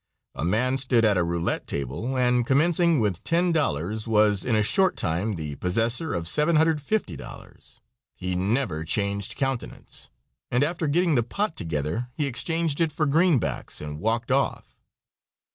A man stood at a roulette table, and, commencing with $10, was in a short time the possessor of $750. He never changed countenance, and after getting the "pot" together he exchanged it for greenbacks and walked off.